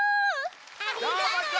ありがとち！